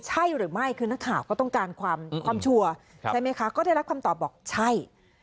ใช่หรือไม่คือนักข่าวก็ต้องการความชัวร์ใช่ไหมคะก็ได้รับคำตอบบอกใช่